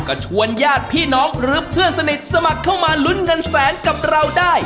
ก็ชวนญาติพี่น้องหรือเพื่อนสนิทสมัครเข้ามาลุ้นเงินแสนกับเราได้